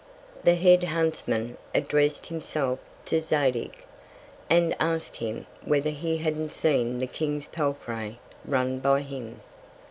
The Head Huntsman address'd himself to Zadig, and ask'd him, whether he hadn't seen the King's Palfrey run by him.